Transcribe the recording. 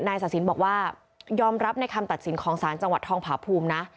ศาสินบอกว่ายอมรับในคำตัดสินของศาลจังหวัดทองผาภูมินะ